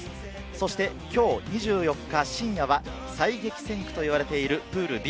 そしてきょう２４日深夜は最激戦区と言われているプールＢ。